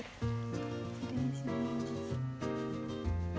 失礼します。